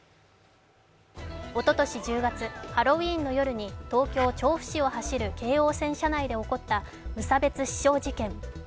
おととし１０月ハロウィーンの夜に東京・調布市を走る京王線車内で起こった無差別刺傷事件。